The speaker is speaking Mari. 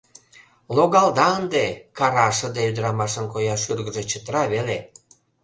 — Логалда ынде! — кара, шыде ӱдырамашын коя шӱргыжӧ чытыра веле.